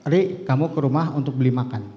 ri kamu ke rumah untuk beli makan